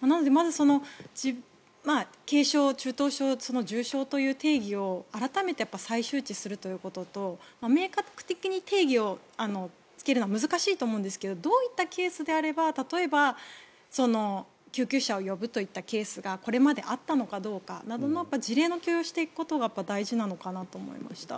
なので、まず軽症、中等症、重症という定義を改めて再周知するということと明確に定義をつけるのは難しいと思うんですけどどういったケースであれば例えば、救急車を呼ぶといったケースがこれまであったのかどうかなどの事例の共有をしていくことが大事なのかなと思います。